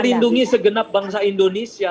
melindungi segenap bangsa indonesia